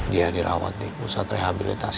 dia dirawat di pusat rehabilitasi